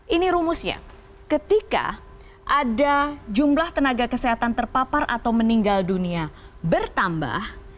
ini rumusnya ketika ada jumlah tenaga kesehatan terpapar atau meninggal dunia bertambah